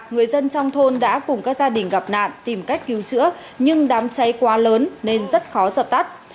người dân trong thôn đã cùng các gia đình gặp nạn tìm cách cứu chữa nhưng đám cháy quá lớn nên rất khó dập tắt